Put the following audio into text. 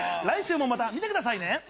来週もまた見てください。